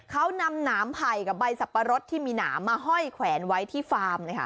เขานำหนามไผ่กับใบสับปะรดที่มีหนามมาห้อยแขวนไว้ที่ฟาร์มนะคะ